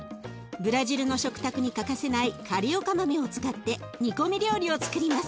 ブラジルの食卓に欠かせないカリオカ豆を使って煮込み料理をつくります。